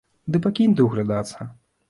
Ды пакінь ты ўглядацца!